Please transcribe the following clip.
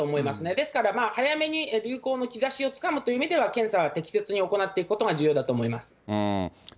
ですから、早めに流行の兆しをつかむということでは、検査は適切に行っていくことが重要だと思います。